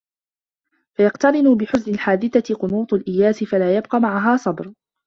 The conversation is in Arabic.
فَيَقْتَرِنُ بِحُزْنِ الْحَادِثَةِ قُنُوطُ الْإِيَاسِ فَلَا يَبْقَى مَعَهَا صَبْرٌ